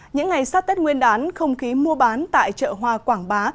những ngày sát tết nguyên đán không khí mua bán tại chợ hoa quảng bá